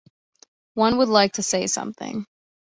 One would like to say something.